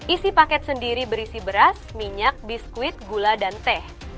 isi paket sendiri berisi beras minyak biskuit gula dan teh